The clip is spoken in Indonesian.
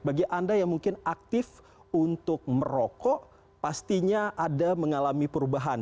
bagi anda yang mungkin aktif untuk merokok pastinya ada mengalami perubahan